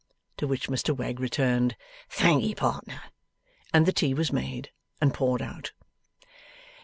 To which Mr Wegg returned, 'Thank'ee, partner,' and the tea was made and poured out.